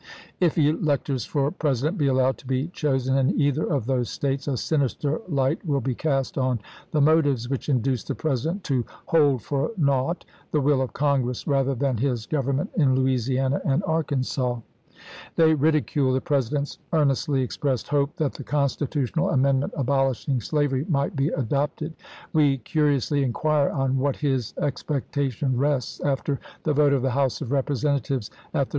.. If electors for Presi dent be allowed to be chosen in either of those States, a sinister light will be cast on the motives which induced the President to 'hold for naught' the will of Congress rather than his government in Louisiana and Arkansas." They ridiculed the President's earnestly ex pressed hope that the constitutional amendment abolishing slavery might be adopted: "We curi ously inquire on what his expectation rests, after the vote of the House of Eepresentatives at the 126 ABRAHAM LINCOLN chap. v.